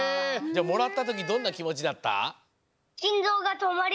じゃもらったときどんなきもちだった？